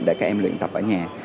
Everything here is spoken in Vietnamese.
để các em luyện tập ở nhà